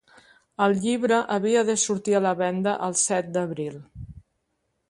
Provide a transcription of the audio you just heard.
El llibre havia de sortir a la venda el set d’abril.